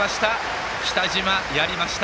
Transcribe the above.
北嶋、やりました。